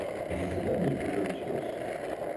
Заседание уже началось.